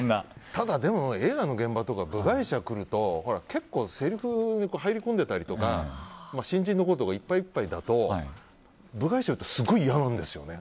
ただ、映画の現場とか部外者が来ると結構せりふ入り込んでたりとか新人の子とかいっぱいいっぱいだと部外者、すごい嫌がるんですよね。